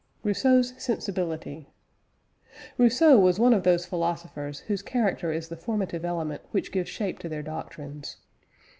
ROUSSEAU'S "SENSIBILITY." Rousseau was one of those philosophers whose character is the formative element which gives shape to their doctrines.